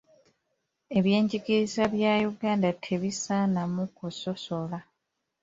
Ebyenjigiriza bya Uganda tebisaanamu kusosola.